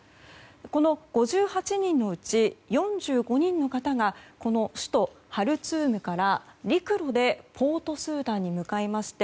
この５８人のうち４５人の方が首都ハルツームから、陸路でポートスーダンに向かいまして